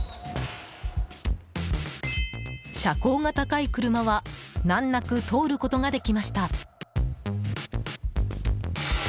車高が高い車は難なく通ることができました。